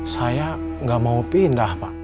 saya nggak mau pindah pak